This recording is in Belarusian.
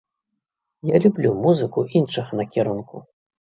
Я люблю музыку іншага накірунку.